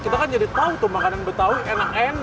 kita kan jadi tau tuh makanan betawi enak enak